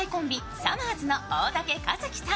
さまぁずの大竹一樹さん